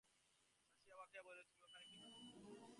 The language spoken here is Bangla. শশী অবাক হইয়া বলিল, তুমি ওখানে কী করছ বৌ?